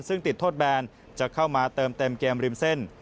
ซึ่งติดโทษแบนจะเข้ามาเติมเต็มเกมริมเส้น